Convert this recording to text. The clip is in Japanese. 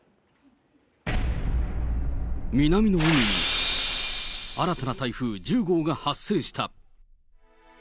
南の海に、新たな台風１０号が発生した。